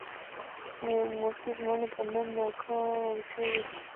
مرخیړي معمولاً په نم ناکو او سیوري لرونکو ځایونو کې شنه کیږي